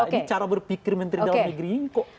ini cara berpikir menteri dalam negeri ini kok